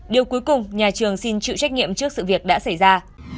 điều cuối cùng nhà trường xin chịu trách nhiệm trước sự việc đã xảy ra